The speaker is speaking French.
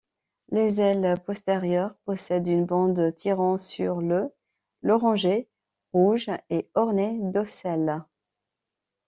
Les ailes postérieures possèdent une bande tirant sur le l'orangé rouge et ornée d'ocelles.